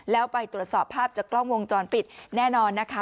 แล้วไปตรวจสอบภาพจากกล้องวงจรปิดแน่นอนนะคะ